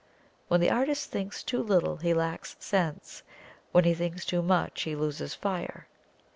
When the artist thinks too little he lacks sense, when he thinks too much he loses fire.